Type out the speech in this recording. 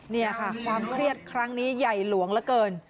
นี่ค่ะความเครียดครั้งนี้ใหญ่หลวงเหลือเกิน